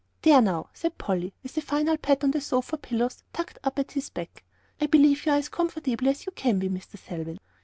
"There, now," said Polly, with a final little pat on the sofa pillows tucked up at his back. "I believe you are as comfortable as you can be, Mr. Selwyn."